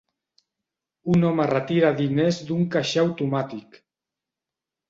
Un home retira diners d'un caixer automàtic